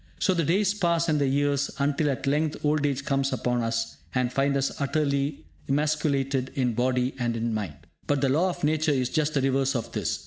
So the days pass and the years, until at length old age comes upon us, and finds us utterly emasculated in body and in mind. But the law of Nature is just the reverse of this.